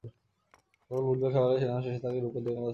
গতকাল বুধবার সকালে জানাজা শেষে তাঁকে রূপদিয়া কবরস্থানে দাফন করা হয়।